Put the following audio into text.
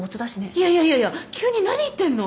いやいやいやいや急に何言ってんの？